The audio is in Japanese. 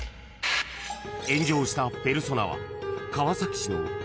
［炎上したペルソナは］